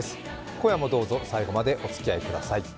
今夜もどうぞ最後までおつきあいください。